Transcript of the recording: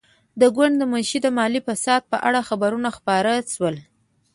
د ګوند د منشي د مالي فساد په اړه خبرونه خپاره شول.